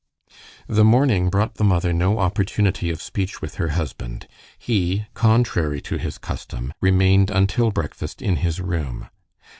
The morning brought the mother no opportunity of speech with her husband. He, contrary to his custom, remained until breakfast in his room.